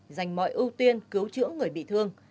dành mọi ưu tiên cứu chữa người bị thương